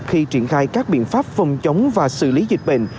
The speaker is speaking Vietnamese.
khi triển khai các biện pháp phòng chống và xử lý dịch bệnh